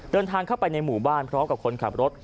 เดินทางเข้าไปในหมู่บ้านพร้อมกับคนขับรถ